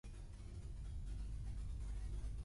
A Verdú, coixos i jugadors de cartes.